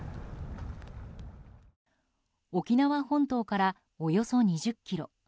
沖縄本島からおよそ２０ｋｍ